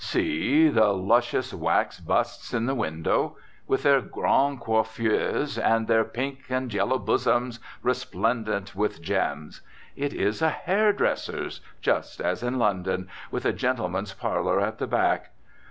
See! the luscious wax busts in the window. With their grandes coiffures. And their pink and yellow bosoms resplendent with gems. It is a hair dresser's, just as in London, with a gentlemen's parlour at the back.